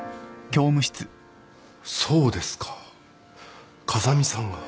そうですか風見さんが。